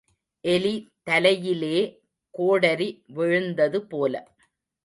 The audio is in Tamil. எலி தலையிலே கோடரி விழுந்தது போல.